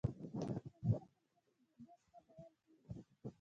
د پښتنو په کلتور کې د اوبو سپمول کیږي.